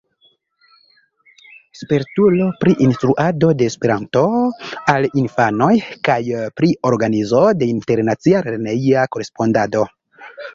Spertulo pri instruado de Esperanto al infanoj kaj pri organizo de internacia lerneja korespondado.